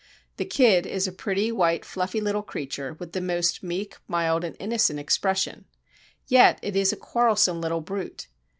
The kid is a pretty, white, fluffy little creature, with the most meek, mild, and innocent expression. Yet it is a quarrelsome little brute.